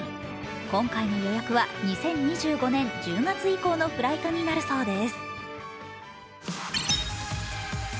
今回の予約は２０２５年１０月以降のフライトになるそうです。